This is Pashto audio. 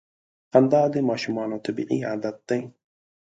• خندا د ماشومانو طبیعي عادت دی.